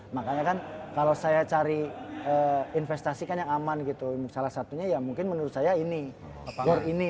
makanya kan kalo saya cari investasi kan yang aman gitu salah satunya ya mungkin menurut saya ini